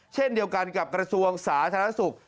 เช่นเดียวกันกับกระทรวงสาธารณสุข